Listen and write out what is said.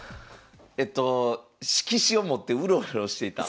えっと色紙を持ってウロウロしていた。